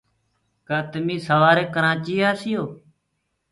ڪآ تميٚ سواري ڪرآچيٚ آسيو۔